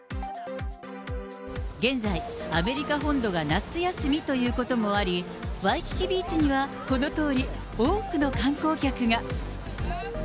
現在、アメリカ本土が夏休みということもあり、ワイキキビーチにはこのとおり、多くの観光客が。